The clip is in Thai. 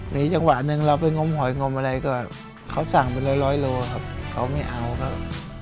มีจังหวะหนึ่งเราไปงมหอยงมอะไรก็เขาสั่งเป็นร้อยโลครับเขาไม่เอาครับ